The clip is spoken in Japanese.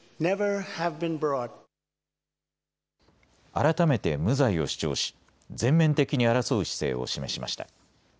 改めて無罪を主張し全面的に争う姿勢を示しました。